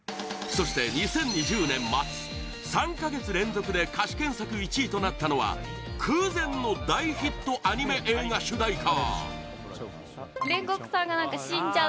そして、２０２０年末３か月連続で歌詞検索１位となったのは空前の大ヒットアニメ映画主題歌